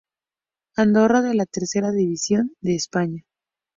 Andorra de la Tercera División de España.